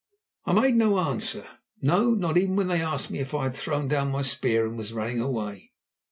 I made no answer; no, not even when they asked me "if I had thrown down my spear and was running away."